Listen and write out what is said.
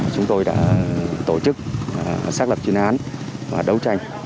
chúng tôi đã tổ chức xác lập chuyên án và đấu tranh